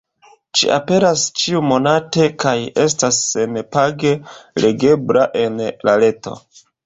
Ĝi aperas ĉiu-monate, kaj estas sen-page legebla en la reto.